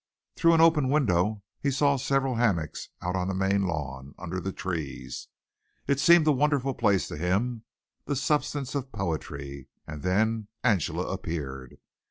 Through an open window he saw several hammocks out on the main lawn, under the trees. It seemed a wonderful place to him, the substance of poetry and then Angela appeared.